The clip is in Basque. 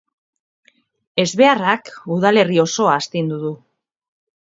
Ezbeharrak udalerri osoa astindu du.